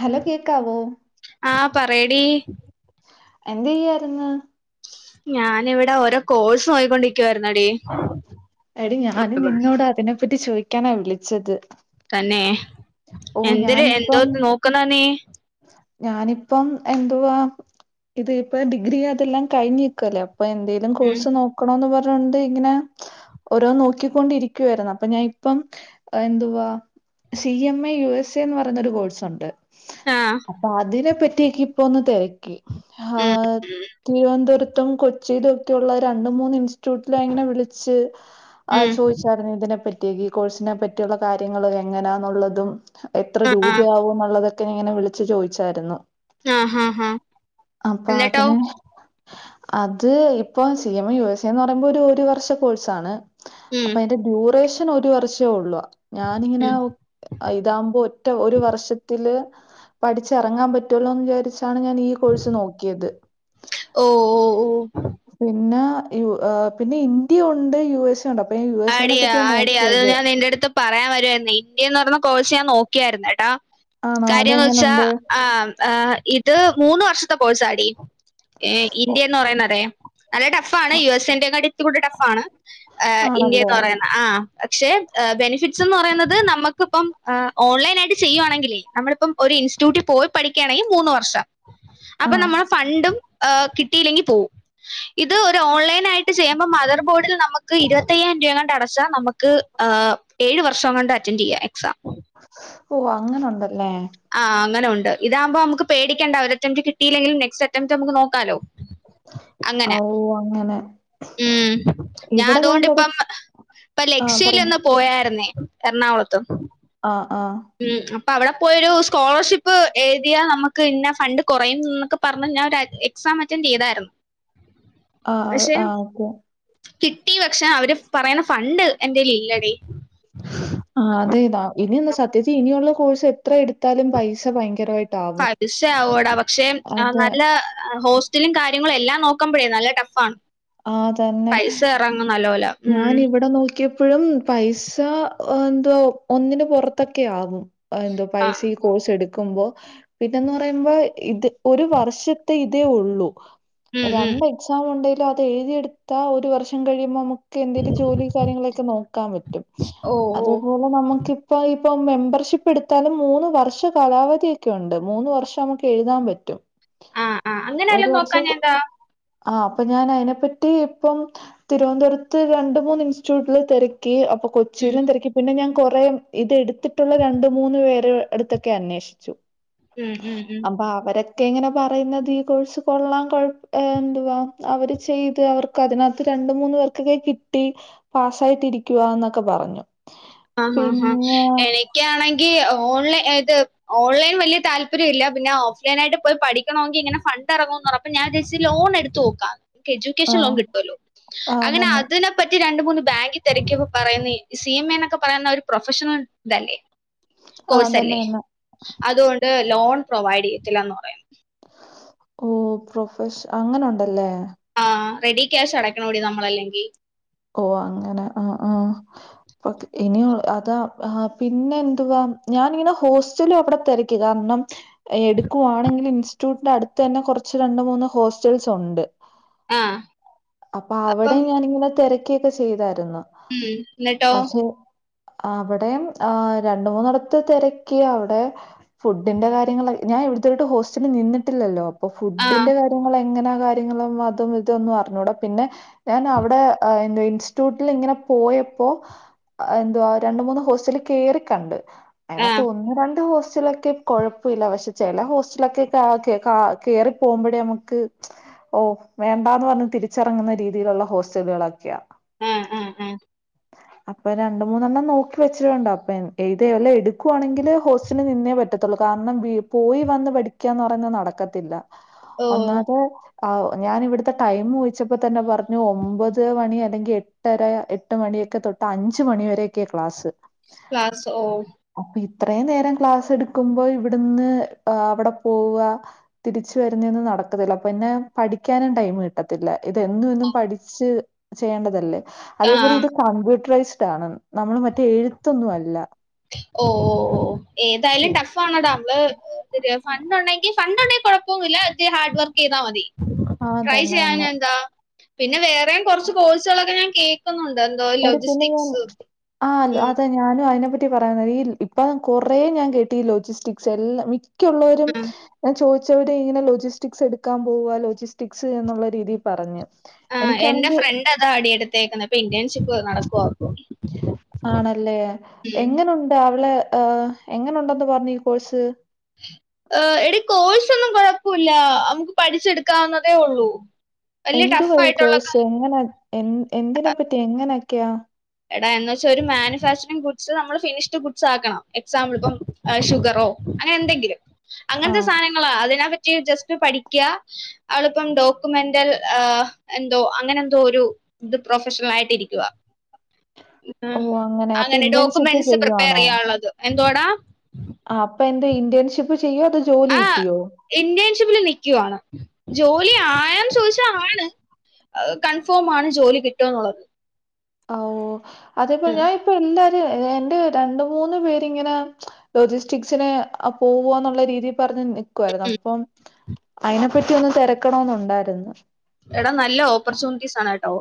Hello കേക്കാവോ? ആഹ് പറയെടി എന്ത് ചെയ്യായിരുന്ന്? ഞാനിവിടെ ഓരോ കോഴ്സ് നോക്കി ക്കൊണ്ടിരിക്കുവായിരുന്നെടീ. എടി ഞാന് നിന്നോട് അതിനെപ്പറ്റി ചോയ്ക്കാനാ വിളിച്ചത്. തന്നേ ഓ എന്തര് ഞാനിപ്പം എന്തോന്ന് നോക്കണ നീ ഞാനിപ്പം എന്തുവാ ഇത് ഇപ്പ ഡിഗ്രി അതെല്ലാം കഴിഞ്ഞിക്കുവല്ലേ അപ്പൊ എന്തേലും ഉം കോഴ്സ് നോക്ക ക്കണോന്ന് പറഞ്ഞോണ്ട് ഇങ്ങനെ ഓരോന്ന് നോക്കിക്കൊണ്ടിരിക്കുവായിരുന്നു അപ്പൊ ഞാൻ ഇപ്പം എന്തുവാ C M A U S A എന്ന് പറയുന്നൊരു കോഴ്സ് ഉണ്ട് ആഹ് അപ്പൊ അതിനെ പറ്റി ഒക്കെ ഇപ്പൊ ഒന്ന് തെരക്കി ഉം ഹാഹ് തിരുവനന്തപുരത്തും കൊച്ചിലും ഒക്കെയുള്ള രണ്ട് മൂന്ന് ഇൻസ്റ്റിറ്റ്യൂട്ടി ലൈൻ ൽ വിളിച്ച് ആ ഉം ചോദിച്ചായിരുന്നു ഇതിനെപ്പറ്റി ഒക്കെ ഈ കോഴ്സിനെ പറ്റിയുള്ള കാര്യങ്ങള് എങ്ങനാന്നുള്ളതും എത്ര ആഹ് ആഹ് രൂപയാവും എന്നുള്ളതൊക്കെ ഇങ്ങനെ വിളിച്ചു ചോദിച്ചായിരുന്നു ആഹ് ആഹ് ആഹ് അപ്പൊ എന്നിട്ടോ അതിന് അത് ഇപ്പ സി എം യു എസ് സന്ന് പറയുമ്പോ ഒരു ഒരു വർഷ കോഴ്സാണ് ഉം അപ്പൊ അയ്ന്റെ ഡ്യൂറേഷൻ ഒരു വർഷേ ഉള്ളൂ ഞാനിങ്ങനെ ഉം അഹ് ഇതാവുമ്പോ ഒറ്റ ഒരു വർഷത്തില് പഠിച്ചിറങ്ങാൻ പറ്റുവല്ലോ എന്ന് വിചാരിച്ചാണ് ഞാൻ ഈ കോഴ്സ് നോക്കിയത്. ഓഹ്‌ പിന്നെ യു ഏഹ് പിന്നെ ഇന്ത്യ ഉണ്ട് യുഎസ് ഉണ്ട് അപ്പൊ ഞാൻ യു എസ് ആടി സനെ ആടി അത് പറ്റിയനോക്കിയത് ഞാൻ നിന്റെ അടുത്ത് പറയാൻ വരുവാരുന്നു ഇന്ത്യന്ന് പറഞ്ഞ കോഴ്സ് ഞാൻ നോക്കിയായിരുന്നു കേട്ടോ ആണോ? കാര്യോന്ന് വെച്ചാ അതെങ്ങനുണ്ട്? ആ ആ ഇത് മൂന്ന് വർഷത്തെ കോഴ്സ് ആടീ ഏഹ് ഒ ഇന്ത്യ എന്ന് പറയുന്നതേ നല്ല ടഫ് ആണ് അ യു എസ് ന്റെങ്ങാട്ടി ഇത്തിരി കൂടി ടഫ്ഫാണ് ഏഹ് ആണല്ലേ? ആഹ്‌ പക്ഷെ ബെനിഫിറ്റ്സ് എന്ന് പറയുന്നത് നമുക്കിപ്പം ആഹ്‌ ഓൺലൈൻ ആയിട്ട് ചെയ്യുവാണെങ്കിലെ നമ്മളിപ്പം ഒരു ഇൻസ്റ്റിറ്റ്യൂട്ടിൽ പോയി പഠിക്കുകയാണെങ്കി മൂന്നു വർഷം അപ്പൊ ആഹ്. നമ്മളെ ഫണ്ടും ഏഹ് കിട്ടിയില്ലെങ്കി പോവും. ഇത് ഒരു ഓൺലൈൻ ആയിട്ട് ചെയ്യുമ്പോ മദർബോർഡിൽ നമുക്ക് ഇരുപ ത് എങ്ങാണ്ട് അടച്ച നമുക്ക് ഏഹ് ഏഴ് വർഷം കൊണ്ട് അറ്റൻഡറ് ചെയ്യാം എക്സാം ഓഹ്‌ അങ്ങനുണ്ടല്ലേ. ആഹ് അങ്ങനുണ്ട് ഇതാകുമ്പോ നമുക്ക് പേടിക്കണ്ട ഒരു അറ്റംറ്റ് കിട്ടയില്ലെങ്കിലും നക്സ്റ്റ് അറ്റംറ്റ് നമുക്ക് നോക്കാലോ ഔ അങ്ങനെ ‌ അങ്ങനെ ഉം ഞാ ഇവിടെ ഞാൻ തൊട അതുകൊണ്ടിപ്പം ഇപ്പ ആഹ് ലക്ഷ്യയിൽ പറഞ്ഞോ. ഒന്ന് പോയാരുന്നേ എറണാകുളത്ത് ആഹ്‌ ആഹ്‌ ഉം അപ്പൊ അവിടെ പോയൊരു സ്കോളർഷിപ്പ് എഴുതിയാ നമുക്ക് ഇന്ന ഫണ്ട് കൊറയും എന്നൊക്കെ പറഞ് ഞാൻ ഒര എക്സാം അറ്റൻഡ് ചെയ്തായിരുന്നു ആഹ പക്ഷെ ആഹ ഓക്കെ കിട്ടി പക്ഷെ അവര് പറയുന്ന ഫണ്ട് എന്റെ കൈയിലില്ലടി ആഹ അതെ ഇനി എന്താ സത്യജ ഇനിയുള്ള കോഴ്സ് എത്ര എടുത്താലും പൈസ ഭയങ്കരമായിട്ട് പൈസ ആവടാ പക്ഷെ അതെ. നല്ല ഹോസ് [unintelligible] കാര്യങ്ങളും എല്ലാം നോക്കാപഴേ നല്ല ടഫ് ആണ് ആഹ തന്നെ അറങ്ങങ് നല്ല പോല ഞാൻ ഇവിടെ നോക്കി പ്പോഴും പൈസ എന്തുവാ ഒന്നിന് പുറത്തൊക്കെ ആകും എന്തോ ആഹ്. പൈസ ഈ കോഴ്സ് എടുക്കുമ്പോ പിന്നെന്ന് പറയുമ്പോ ഇത് ഒരു വർഷത്തെ ഇതേ ഉള്ളൂ ഉം ഉം. രണ്ട എക്സാം ഉണ്ടെങ്കിലും അത് എഴുതി എടുത്താ ഒരു വർഷം കഴിയുമ്പോൾ നമുക്ക് എന്തിലും ജോലി കാര്യങ്ങളൊക്കെ നോക്കാൻ പറ്റും ഓഹ് അത് ഓഹ്. [unintelligible] നമുക്കിപ്പ ഇപ്പൊ മെമ്പർഷിപ്പ് എടുത്താലും മൂന്ന് വർഷം കാലാവധിയൊക്കെ ഉണ്ട് മൂന്ന് വർഷം നമുക്ക് എഴുതാൻ പറ്റും ആഹ് ആഹ്. അങ്ങനെ ഒരു വല്ലോം വർഷ നോക്കാഞ്ഞെന്താ? ആഹ അപ്പൊ ഞാൻ അതിനെപ്പറ്റി ഇപ്പം തിരുവനന്തപുരത്ത് രണ്ട് മൂന്ന് ഇൻസ്റ്റിറ്റ്യൂട്ടില് തിരക്കി അപ്പൊ ഉം കൊച്ചിയിലും തിരക്കി പിന്നെ ഞാൻ കൊറെേ ഇത് എടുത്തിട്ടുള്ള രണ്ട മൂന്ന് പേരെ അടുത്തൊക്കെ അന്വേഷിച്ചു ഉം ഉം ഉം അപ്പൊ അവരൊക്കെ ഇങ്ങനെ പറയുന്നത് ഈ കോഴ്സ് കൊള്ളാ കൊഴ എന്തുവാ അവര് ചെയ്ത് അവർക്ക് അതിനകത്ത് രണ്ട മൂന്ന പേർക്കൊക്കെ കിട്ടി പാസ്സായിട്ടിരിക്കുകന്നൊക്കെ പറഞ്ഞു ആഹ ആഹ് ആഹ പിന്നെ എനി ണെങ്ക ഓൺലൈത് ഓൺലൈൻ വലിയ താല്പര്യംല്ല പിന്നെ ഓഫ്ലൈൻ ആയിട്ട് പോയി പഠിക്ക ണെങ്ക ഇങ്ങനെ ഫണ്ട് ഇറങ്ങോ പറഞ്ഞപ്പ ഞാൻ വിചാരിച്ച ലോൺ എടുത്ത് നോക്കാം എഡ്യൂക്കേഷൻ ലോൺ ആഹ് കിട്ടല്ലോ ആഹ് അങ്ങനെ തന്നെ അതിനെപ്പറ്റി രണ്ട മൂന്ന് ബാങ്ക് തിരക്കിയപ്പോ പറയുന്ന സി എം എ എന്നൊക്കെ പറയുന്ന ഒരു പ്രൊഫഷണൽ ഇതല്ലേ ആഹ് തന്നെ കോഴ്സ്ല്ലേ തന്നെ അതുകൊണ്ട് ലോൺ പ്രൊവൈഡ് ചെയ്യത്തില്ലന്ന് പറയും ഓ പ്രൊഫഷ അങ്ങനെ ഉണ്ടല്ലേ ആഹ റെഡി ക്യാഷ് അടക്കണുടി നമ്മള അല്ലെങ്കിൽ ഓ അങ്ങനെ ആഹ ആഹ ഇനിയ അതാ പിന്നെ എന്തുവാ ഞാനിങ്ങനെ ഹോസ്റ്റല അവിടെ തിര ക്കി കാരണം എടുക്കുവാണെങ്കിൽ ഇൻസ്റ്റിറ്റ്യൂട്ടിന്റെ അടുത്ത് തന്നെ കുറച്ച് രണ്ട് മൂന്ന് ഹോസ്റ്റൽസ് ഉണ്ട് ആഹ അപ്പൊ അവിടെ ഞാനിങ്ങനെ തിരക്കിയൊക്കെ ചെയ്തായിരുന്നു ഉം എന്നട്ടോ? പക്ഷെ അവിടെയും ആ രണ്ട മൂന്നിടത്ത് തിരക്കിയവിടെ ഫുഡിന്റെ കാര്യങ്ങള ഞാൻവിടുത്തോട്ട് ഹോസ്റ്റലിൽ നിന്നിട്ടില്ലല്ലോ അപ്പൊ ആഹ് ഫുഡിന്റെ കാര്യങ്ങള് എങ്ങനാ കാര്യങ്ങളും അതം ഇത ഒന്നും അറഞ്ഞുട പിന്നെ ഞാൻ അവിടെ എന്ത ഇൻസ്റ്റിറ്റ്യൂട്ടിൽ ഇങ്ങനെ പോയപ്പോ എന്തുവാ രണ്ട മൂന്ന് ഹോസ്റ്റല് കേറിക്കണ്ട് അതിനതിനകത്ത് ആഹ് ഒന്ന് രണ്ട് ഹോസ്റ്റലൊക്കെ കൊഴപ്പമില്ല പക്ഷെ ചില ഹോസ്റ്റലൊക്കെ ക കേ ക കേറി പോകുമ്പോഴേ നമുക്ക് ഓ വേണ്ടാന്ന് പറഞ് തിരിച്ചറങ്ങുന്ന രീതിയിലുള്ള ഹോസ്റ്റലുകളൊക്കെയാ ആഹ് ആഹ് ആഹ് അപ്പൊ രണ്ട്‌ മൂന്നെണ്ണം നോക്കി വച്ചിട്ടുണ്ട്‌ അപ്പ എഏത് വല്ലോം എടുക്കുവാണെങ്കിൽ ഹോസ്റ്റലി നിന്നേ പറ്റത്ത ത്തുള്ളൂ കാരണം പോയി വന്ന് പഠിക്കാന്ന് പറയ്ന്നേ നടക്കത്തില്ല ഓ ഒന്നാമത് ആഹ ഞാനിവിടുത്തെ ടൈമ് ചോദിച്ചപ്പോ തന്നെ പറഞ്ഞു ഒമ്പത് മണി അല്ലെങ്കിൽ എട്ടര എ എട്ട് മണിയൊക്കെ തൊട്ട് അഞ്ച് മണിരെയൊക്കെയേ ക്ലാസ് ക്ലാസ് ഓ അപ്പൊ ഇത്രയും നേരം ക്ലാസ്സ് എടുക്കുമ്പോ ഇവിടുന്ന് അവിടെ പോവ തിരിച്ചു വരുന്നേന്നും നടക്കുന്നില്ല അപ്പന്നെ പഠിക്കാനും ടൈമ് കിട്ടത്തില്ല ഇതെന്നുഎന്നും പഠിച്ച് ചെയ്യേണ്ടതല്ലേ അതേപോലെ ആഹ് ഇത് കമ്പ്യൂട്ടറൈസ്ഡ് ആണ് നമ്മള് മറ്റേ എഴുത്തൊന്നും അല്ല ഓ ഓ ഓ ഏതായാലും ടഫ് ഫ്ഫാണടാ നമ്മള് ഫണ്ട് ഉണ്ടെങ്കി ഫണ്ടുണ്ടെങ്കി കുഴപ്പൊന്നുല്ല ഇത്തിരി ഹാർഡ് വർക്ക് ചെയ്താൽ മതി. ആ ട്രൈ തന്നെ തന്നെ ചെയ്യാഞ്ഞന്താ പിന്നെ വേറെയും കൊർച്ച് കോഴ്സുകളൊക്കെ ഞാൻ കേ ക്കുന്നുണ്ട് എന്തോ എടി പിന്നെ ഞാൻ ലോജിസ്റ്റിക്സ് ആ ലോ- ഉം അതാ ഞാനും അയിനെപ്പറ്റി പറയുന്ന ഈ ഇപ്പൊ കൊറേ ഞാൻ കേട്ടീ ലൊജിസ്റ്റിക്സ് എല്ലാം മിക്കള്ളോരും ഞാൻ ചോദിച്ചവര് ഇങ്ങനെ ലോജിസ്റ്റിക്സ് എടുക്കാൻ പോവാ ലോജിസ്റ്റിക്സ് എന്നുള്ള രീതീൽ പറഞ്ഞു. ആ എന്റെ എനിക്കാണെങ്കിൽ ഫ്രണ്ട് അതാടീ എടുത്തേക്കുന്നത് ഇപ്പൊ ഇന്റേൺഷിപ്പ് നടക്കുവ ആണല്ലേ ഉം. എങ്ങനുണ്ട് അവളെ ഏഹ് എങ്ങനെുണ്ടെന്ന് പറഞ്ഞു ഈ കോഴ്സ് ഏഹ് എടി കോഴ്സൊന്നും കെഴപ്പല്ല നമുക്ക് പഠിച്ചെടുക്കാവുന്നതേ ഉള്ളൂ. വലിയ ടഫ് എന്തുവാ ഈ ആയിട്ടുള്ള കോഴ്സ് ക- എങ്ങനെ എ എന്തിനെപ്പറ്റി എങ്ങനെക്കെയാ? എടാ എന്ന് വെച്ചാ ഒരു മാനുഫാക്ചറിംഗ് ഗുഡ്സ് നമ്മള് ഫിനിഷ്ഡ് ഗുഡ്സ് ആക്കണം എക്സാമ്പിൾ ഇപ്പം ഷുഗറോ അങ്ങനെ എന്തെങ്കിലും അങ്ങൻത്തെ ആഹ്. സാനങ്ങളാ അതിനെപ്പറ്റി ജസ്റ്റ് പഠിക്ക അവളിപ്പം ഡോക്യുമെന്റൽ ആ എന്തോ അങ്ങനെ എന്തോ ഒരു ഇത് പ്രൊഫഷണൽ ആയിട്ട് ഇരിക്കുവ ഓഹ് അപ്പൊ അങ്ങനെ ഇന്റേൺഷിപ്പ് ഡോക്യുമെന്റ്സ് പ്രിപ്പയർ ചെയ്യുവാണോ? ചെയ്യാനുള്ളത് എന്തോടാ ആ അപ്പൊ എന്താ ഇന്റേൺഷിപ്പ് ചെയ്യോ അതോ ജോലി കിട്ടിയോ? ഇന്റേൺഷിപ്പില് നിക്കുവാണ് ജോലി ആയോന്ന് ചോദിച്ചാ ആണ് കൺഫോമാണ് ജോലി കിട്ടുന്നുള്ളത് ഹാവു അതേപ്പോ ഉം. ഞാനിപ്പോ എല്ലാരും എന്റെ രണ്ട്‌ മൂന്ന് പേരിങ്ങനെ ലോജിസ്റ്റിക്സിന് അ പോവോന്നുള്ള രീതി പറഞ്ഞു നിക്കുവായിരുന്നു അപ്പം അയിനെപ്പറ്റി ഒന്ന് തിരക്കണന്നുണ്ടായിരുന്നു. എടാ നല്ല ഓപ്പർച്യൂണിറ്റീസ് ആണ് കേട്ടോ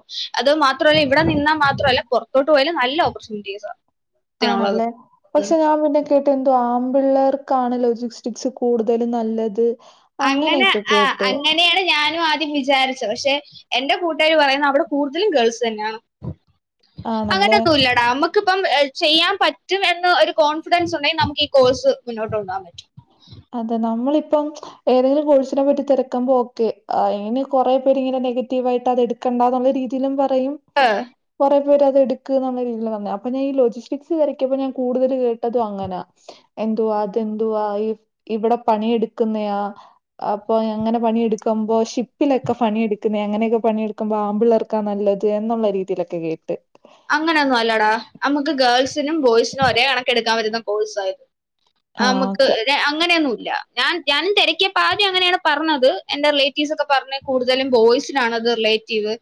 അത് മാത്രല്ല ഇവിടെ നിന്നാൽ മാത്രല്ല പൊ ർത്തോട്ട് പോയാലും നല്ല ഓപ്പർച്യുണിറ്റീസ ആണല്ലേ പക്ഷെ ഞാൻ പിന്നെ കേട്ടെ എന്തോ ആമ്പിള്ളേർക്കാണ് ലോജിസ്റ്റിക്സ് കൂടുതലും നല്ലത് അങ്ങനെ അങ്ങനെയൊക്കെ ആ കേട്ട്. അങ്ങനെയാണ് ഞാനും ആദ്യം വിചാരിച്ച പക്ഷെ എന്റെ കൂട്ടുകാർ പറയുന്ന അവിടെ കൂടുതലും ഗേൾസ് തന്നെയാണ്. ആണല്ലേ? അങ്ങനൊന്നുല്ലടാ നമുക്കിപ്പം ചെയ്യാൻ പറ്റും എന്ന ഒരു കോൺഫിഡൻസ് ഉണ്ടെങ്കിൽ നമുക്ക് ഈ കോഴ്സ് മുന്നോട്ട് കൊണ്ടു പോകാൻ പറ്റും അതെ നമ്മളിപ്പം ഏതെങ്കിലും കോഴസിനെ പറ്റി തെരക്കുമ്പോ ഓക്കെ ഇനി കൊറേ പേരിങ്ങനെ നെഗറ്റീവായിട്ടത് എടു [unintelligible] രീതിയില് ന്തു പറയും ആഹ് കുറേ പേരത്ടുക്ക്‌ന്നുള്ള രീതിയിലും വന്നേ അപ്പൊ ഞാ ഈ ലോജിസ്റ്റിക്സ് വരയ്ക്കുമ്പോ ഞാൻ കൂടുതല് കേട്ടതും അങ്ങനാ എന്തുവാ അതെന്തുവാ ഇ ഇവിടെ പണിയെടുക്കുന്നയാ അപ്പൊ എങ്ങനെ പണിയെടുക്കുമ്പോ ഷിപ്പിലൊക്കെ പണിയെടുക്കുന്നെ അങ്ങനെയൊക്കെ പണിയെടുക്ക ക്കുമ്പ ആമ്പിള്ളേർക്കാ നല്ലത് എന്നുള്ള രീതിയിലൊക്കെ കേട്ട്. അങ്ങനൊന്നും അല്ലടാ നമുക്ക് ഗേൾസിനും ബോയ്സിനും ഒരേ കണക്കെടുക്കാൻ പറ്റുന്ന കോഴ്സാ ത് ആ നമുക്ക് ഓക്കെ അങ്ങനെയൊന്നുല്ല ഞാൻ ഞാനും തിരക്കിയപ്പോ ആദ്യം അങ്ങനെയാണ് പറഞ്ഞത്. എന്റെറിലറ്റീവ്സ് ഒക്കെ പറഞ് കൂടതലും ബോയ്സ് റിലേറ്റീവ്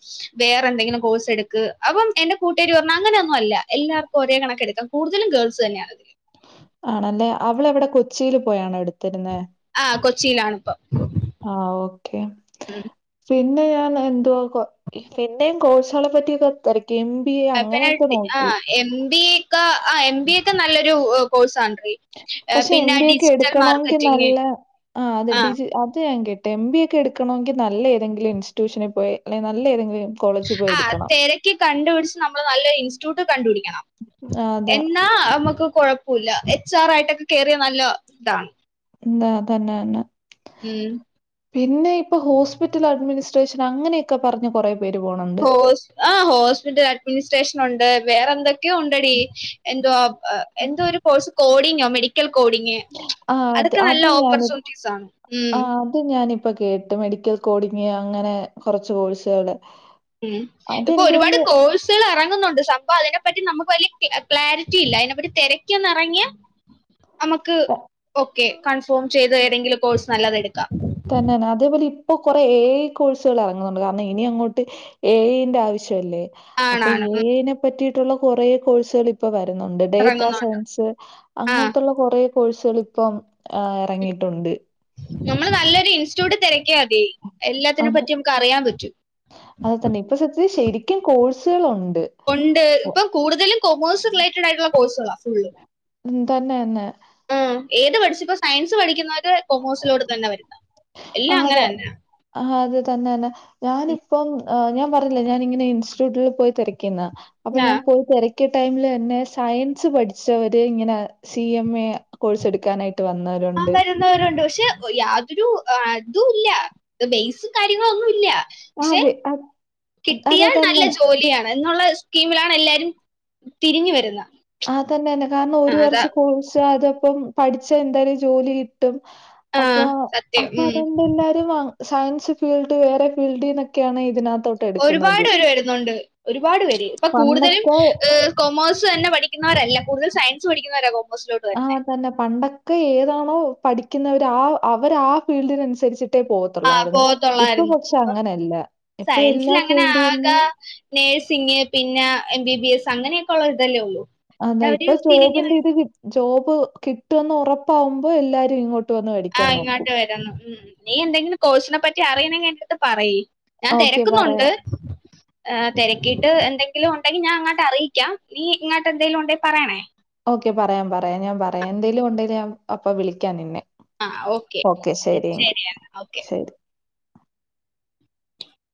വേറെ എന്തെങ്കിലും കോഴ്സ് എടുക്ക് അപ്പം എൻ്റെ കൂട്ടേരി പറഞ്ഞു അങ്ങനൊന്നു അല്ലാ എല്ലാവർക്കും ഒരേ കണക്കെടുക്കാം കൂടുതലും ഗേൾസ് തന്നെയാ ആണല്ലേ അവള് അവിടെ കൊച്ചിൽ പോയാണോ എടുത്തിരുന്ന ആ കൊച്ചിയിലാണിപ്പം ആഹ് ഓക്കെ പിന്നെ ഞാൻ എന്തുവാ പിന്നെയും കോഴ്സുകളെ പറ്റി തെ എം ബി എ പിന്നെ അങ്ങനെയൊക്കെ ആ നോക്കി എം ബി എക്കെ ആ എം ബി എ ഒക്കെ നല്ലൊരു കോഴ്സാണടി പക്ഷെ എം ബി ഒക്കെ എടുക്കണെങ്കിൽ നല്ല ആ അത് ഡിജി അത് ഞാൻ കേട്ടി എം ബി ഒക്കെ എടുക്കണെങ്കിൽ നല്ല ഏതെങ്കിലും ഇൻസ്റ്റ്യൂഷനിൽ പോയി അല്ലെ നല്ല ഏതെങ്കിലും കോളേജിൽ പോയി ആ എടുക്കണം തിരക്കി കണ്ടുപിടിച്ച് നമ്മള് നല്ലൊരു ഇൻസ്റ്റിറ്റ്യൂട്ട് കണ്ടുപിടിക്കണം ആ, അത് എന്നാ നമ്മുക്ക് കൊഴപ്പില്ല എച്ച് ആർ ആയിട്ടൊക്കെ കേറിയാ നല്ല ഇതാണ് എന്താ അതന്നെ തന്നെ ഉം പിന്നെ ഇപ്പൊ ഹോസ്പിറ്റൽ അഡ്മിനിസ്ട്രേഷൻ അങ്ങനെയൊക്കെ പറഞ്ഞ് കുറേ വരുവോണംന്ന് ആ ഹോസ്പിറ്റൽ അഡ്മിനിസ്ട്രേഷൻ ഉണ്ട് വേറെന്തൊക്കെ ഒക്കെ ഉണ്ടടി എന്തുവാ എന്തോ ഒരു കോഴ്സ് കോഡിങ്ങോ മെഡിക്കൽ കോടിങ്ങ് ആഹ് അത് അത് ഞാൻ ആണ് ഉം, ആഹ് ഞാനിപ്പ കേട്ട് മെഡിക്കൽ കോഡിങ് അങ്ങനെ കൊറച്ച് കോഴ്സുകള് ഉം ഇപ്പൊ അതെനിക്ക് ഒരുപാട് തോന്നുന്നു കോഴ്സ് സുകൾ ഇറങ്ങുന്നുണ്ട് സംഭവ അതിനെപ്പറ്റി നമുക്ക് വലിയ ക്ലാരിറ്റി ഇല്ല അതിനെപ്പറ്റി തിരക്കി ഒന്നിറങ്ങിയാ ഉ നമുക്ക് ഓക്കെ കൺഫേം ചെയ്ത് ഏതെങ്കിലും കോഴ്സ് നല്ലതെടുക്കാം തന്നെന്നെ അതേപോലെ ഇപ്പൊ കൊറ എ ഐ കോഴ്സുകൾ ഇറങ്ങുന്നുണ്ട് കാരണം ഇനി അങ്ങോട്ട് എ ഐന്റെ ആവശ്യല്ലേ അപ്പൊ ആണാണ് ഉം എനെ പറ്റിയിട്ടുള്ള കുറേ കോഴ്സുകള് ഇപ്പ വരുന്നുണ്ട് ഡേറ്റ ഇറങ്ങുന്നുണ്ട് സയൻസ് ആ അങ്ങൻത്തൊള്ള കുറേ കോഴ്സുകൾ ഇപ്പം ഇറങ്ങിയിട്ടുണ്ട് നമ്മള് നല്ലൊരു ഇൻസ്റ്റിറ്റ്യൂട്ട് തിരക്കാ മതി എല്ലാത്തിനെ അത് പറ്റി നമുക്ക് അറിയാൻ പറ്റും അത് തന്നെ ഇപ്പ സത്യ ശരിക്കും കോഴ്സുകളുണ്ട് ഉണ്ട് ഇപ്പം കൂടുതലും കൊമേഴ്സ് റിലേറ്റഡ് ആയിട്ടുള്ള കോഴ്സുകളാ ഫുള്ള് ഉം തന്നെ തന്നെ ഏത് പഠിച്ചപ്പോ സയൻസ് പഠിക്കുന്നവര് കൊമേഴ്സിലോട്ട തന്നെ വരുന്ന എല്ലാം അങ്ങന തന്നാണ് ആ അത് തന്നെന്നെ ഞാനിപ്പം ഞാൻ പറഞ്ഞില്ല ഞാനിങ്ങനെ ഇൻസ്റ്റിറ്റ്യൂട്ടിൽ പോയി തിരക്കിയെന്ന് അപ്പൊ ആ ഞാൻ പോയി തിരക്കിയ ടൈമില് തന്നെ സയൻസ് പഠിച്ചവര് ഇങ്ങനെ സി എം എ കോഴ്സ് എടുക്കാനായിട്ട് വന്നവരുണ്ട് ണ്ട് പക്ഷെ യാതൊരു ഇതും ഇല്ല ബേസ് കാര്യങ്ങളൊന്നുംല്ല പക്ഷെ ആഹ് കിട്ടിയ അത് നല്ല തന്നെ ജോലിയാണ് എന്നുള്ള സ്കീമിലാണ് എല്ലാരും തിരിഞ്ഞു വരുന്നത് ആ തന്നന്നെ കാരണം ആ, ഒരു അതാ വർഷം കോഴ്സ് അതപ്പം പഠിച്ചാ എന്തായാലും ജോലി കിട്ടും ആ അപ്പ സത്യം അപ്പൊ ഉം അതൊണ്ട് എല്ലാരും സയൻസ് ഫീൽഡ് വേറെ ഫീൽഡിന്നൊക്കെയാണ് ഇതിനാത്ത് ഒരുപാട് പേര് വരുന്നുണ്ട് ഒരുപാട് പേര് ഇപ്പൊ കൂടുതലും പണ്ടൊക്കെ ഏഹ് കൊമേഴ്സ് തന്നെ പഠിക്കുന്നവരല്ല കൂടുതൽ സയൻസ് പഠിക്കുന്നവരാ കൊമേഴ്സിലോട്ട് ആ വരുന്നത് തന്നെ പണ്ടൊക്കെ ഏതാണോ പഠിക്കുന്നവര് ആ അവര് ആ ഫീൽഡിന് അനുസരിച്ചിട്ടേ പോത് ആ ത്തൊള്ളായിരുന്നു ഇപ്പൊ പോകത്തുള്ളായിരുന്നു പക്ഷെ അങ്ങനല്ല ഇപ്പൊ സയൻസിൽ എല്ലാം അങ്ങനെ ഫീൽഡിന്ന് ആകെ നേഴ്സിങ് പിന്നെ എം ബി ബി എസ് അങ്ങനെയൊക്കെ ഉള്ള ഇതല്ലേ ഉള്ളൂ അതുകൊണ്ട് അതാ ഇപ്പൊ അവര് തിരിഞ്ഞ് ജോബിന്റെ വരും. ഇത് ജോബ് കിട്ടുമെന്ന് ഉറപ്പാവുമ്പോ എല്ലാരും ഇങ്ങോട് ആ ഇങ്ങോട്ട് വരുന്നു ഉം നീ എന്തെങ്കിലും കോഴ്സിനെ പറ്റി അറിയുന്നെങ്കിൽ എന്റെടുത്ത് പറയി ഞാൻ ഓക്കെ തിരക്കുന്നുണ്ട് പറയാം. തിരക്കിയിട്ട് എന്തെങ്കിലും ഉണ്ടെങ്കിൽ ഞാൻ അങ്ങട്ട് അറിയിക്ക നീ ഇങ്ങാട്ടെന്തങ്കിലും ഉണ്ടെങ്കി പറയണേ ഓക്കെ പറയാം പറയാം ഞാൻ പറയാം എന്തേലും ഒണ്ടേൽ ഞാൻ അപ്പൊ വിളിക്കാം നിന്നെ ആ ഓക്കെ ശരിയെന്നാ ഓക്കെ ശരി.